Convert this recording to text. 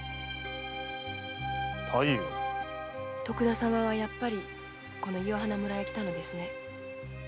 徳田様はやっぱりこの岩鼻村へ来たのですね。